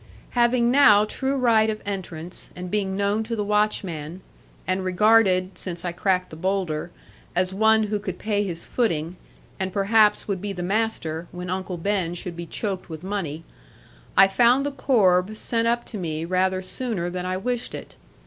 Having now true right of entrance, and being known to the watchman, and regarded (since I cracked the boulder) as one who could pay his footing, and perhaps would be the master, when Uncle Ben should be choked with money, I found the corb sent up for me rather sooner than I wished it.